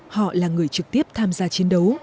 họ là người trực tiếp tham gia chiến đấu